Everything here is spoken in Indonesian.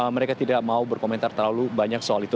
mereka tidak mau berkomentar terlalu banyak soal itu